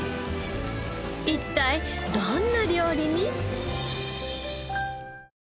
一体どんな料理に？